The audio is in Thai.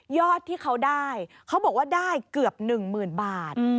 อดที่เขาได้เขาบอกว่าได้เกือบ๑๐๐๐บาท